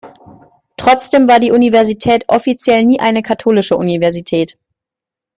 Trotzdem war die Universität offiziell nie eine «katholische Universität».